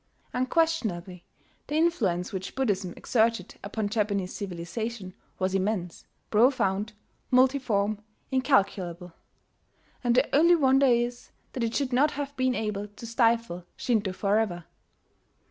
Unquestionably the influence which Buddhism exerted upon Japanese civilization was immense, profound, multiform, incalculable; and the only wonder is that it should not have been able to stifle Shinto forever.